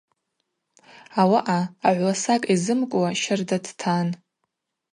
Ауаъа агӏвуасакӏ йзымкӏуа щарда дтан.